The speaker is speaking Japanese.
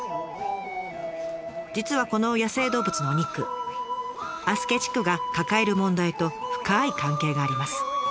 実はこの野生動物のお肉足助地区が抱える問題と深い関係があります。